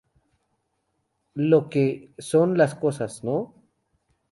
Lo que son las cosas, ¿no?